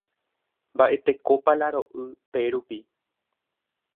Mba'etekópa la ro'y pérupi.